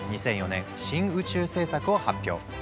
２００４年「新宇宙政策」を発表。